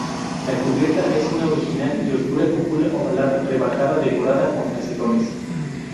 La cubierta es una original y oscura cúpula ovalada, rebajada, decorada con Casetones.